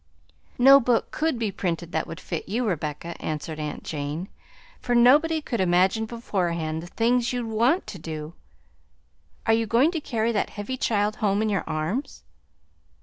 "No book could be printed that would fit you, Rebecca," answered aunt Jane, "for nobody could imagine beforehand the things you'd want to do. Are you going to carry that heavy child home in your arms?"